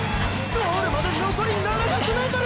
ゴールまでのこり７００ｍ！！